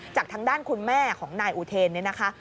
จากทางด้านคุณแม่ของนายอุเทนเนี่ยนะคะ